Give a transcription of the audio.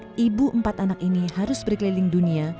dengan jadwal yang sibuk ibu empat anak ini harus berkeliling dunia